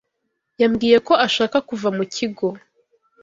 Yambwiye ko ashaka kuva mu kigo.